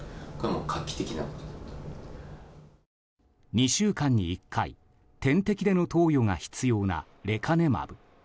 ２週間に１回、点滴での投与が必要なレカネマブ。